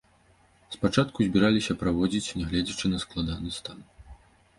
Спачатку збіраліся пераводзіць, нягледзячы на складаны стан.